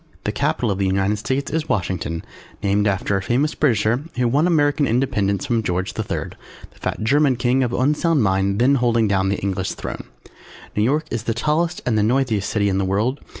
The Capitol of the United States is Washington named after a famous Britisher who won American Independence from George the III, the fat German King of unsound mind, then holding down the English Throne. New York is the tallest and the noisiest city in the world.